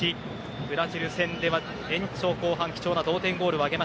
ブラジル戦では延長後半貴重な同点ゴール。